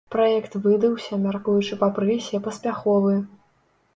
Праект выдаўся, мяркуючы па прэсе, паспяховы.